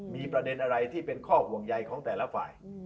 มีประเด็นอะไรที่เป็นข้อห่วงใยของแต่ละฝ่าย